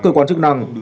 cơ quan chức năng